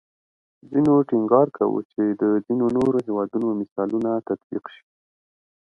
ځینو ټینګار کوو چې د ځینې نورو هیوادونو مثالونه تطبیق شي